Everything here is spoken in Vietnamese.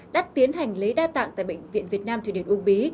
đã tiến hành lấy đa tạng tại bệnh viện việt nam thủy điển úc bí